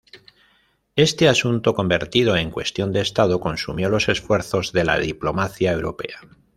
Este asunto, convertido en cuestión de Estado, consumió los esfuerzos de la diplomacia europea.